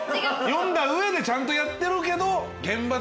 読んだ上でちゃんとやってるけど現場で。